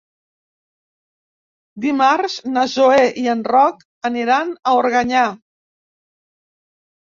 Dimarts na Zoè i en Roc aniran a Organyà.